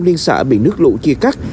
liên xã bị nước lũ chia cắt